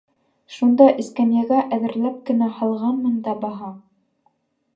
Шунда эскәмйәгә әҙерләп кенә һалғанмын дабаһа.